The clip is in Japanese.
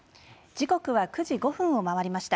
時刻は９時５分を回りました。